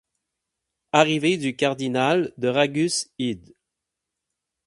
Arrivée du cardinal de Raguse id.